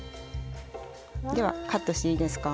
ではカットしていいですか？